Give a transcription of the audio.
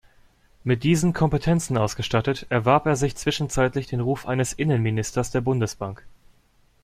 Mit diesen Kompetenzen ausgestattet, erwarb er sich zwischenzeitlich den Ruf eines „Innenministers“ der Bundesbank.